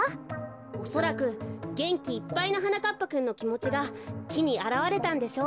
おそらくげんきいっぱいのはなかっぱくんのきもちがきにあらわれたんでしょう。